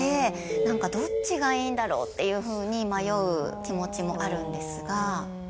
何かどっちがいいんだろうっていうふうに迷う気持ちもあるんですが。